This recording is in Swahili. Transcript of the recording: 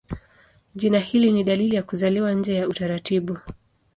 Jina hili ni dalili ya kuzaliwa nje ya utaratibu.